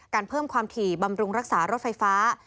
เพิ่มความถี่บำรุงรักษารถไฟฟ้า